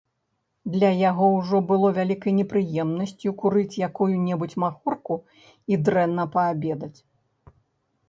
Для яго ўжо было вялікай непрыемнасцю курыць якую-небудзь махорку і дрэнна паабедаць.